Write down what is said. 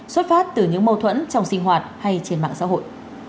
xuất phát từ những mâu thuẫn trong sinh hoạt hay trên mạng xã hội